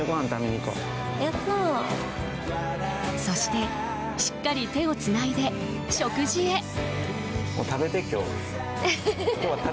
そして、しっかり手をつないで食事へ。